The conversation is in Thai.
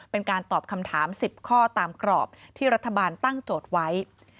เป็นการตอบคำถาม๑๐ข้อตามกรอบที่รัฐบาลตั้งโจทย์ไว้